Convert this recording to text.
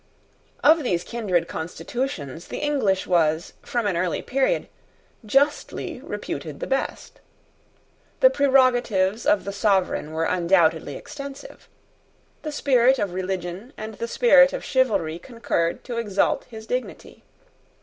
Of these kindred constitutions the English was, from an early period, justly reputed the best. The prerogatives of the sovereign were undoubtedly extensive. The spirit of religion and the spirit of chivalry concurred to exalt his dignity.